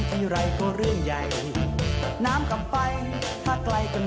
สวัสดีค่ะต่างทุกคน